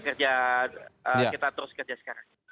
mudah mudahan kita terus kerja sekarang